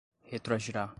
retroagirá